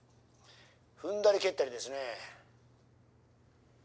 踏んだり蹴ったりですね。